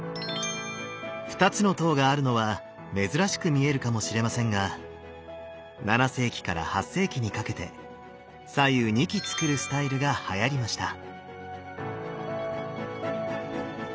２つの塔があるのは珍しくみえるかもしれませんが７世紀から８世紀にかけて左右２基造るスタイルがはやりました。